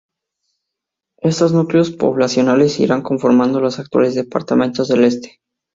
Estos núcleos poblacionales irán conformando los actuales departamentos del este.